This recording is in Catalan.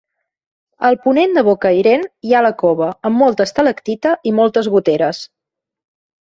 Al ponent de Bocairent hi ha la cova, amb molta estalactita i moltes goteres.